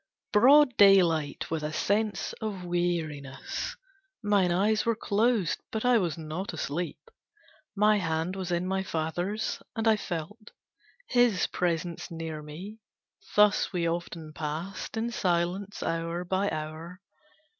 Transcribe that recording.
Broad daylight, with a sense of weariness! Mine eyes were closed, but I was not asleep, My hand was in my father's, and I felt His presence near me. Thus we often past In silence, hour by hour.